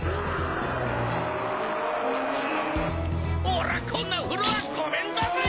おらこんなフロアごめんだぜ！